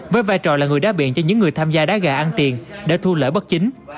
với vai trò là người đã biện cho những người tham gia đá gà ăn tiền để thu lợi bất chính